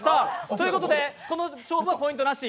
ということでこの勝負はポイントなし。